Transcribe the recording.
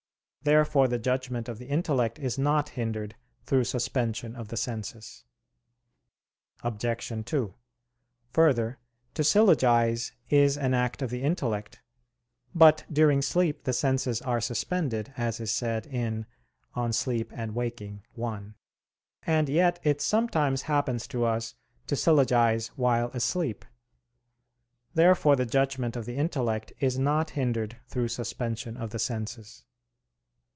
Therefore the judgment of the intellect is not hindered through suspension of the senses. Obj. 2: Further, to syllogize is an act of the intellect. But during sleep the senses are suspended, as is said in De Somn. et Vigil. i and yet it sometimes happens to us to syllogize while asleep. Therefore the judgment of the intellect is not hindered through suspension of the senses.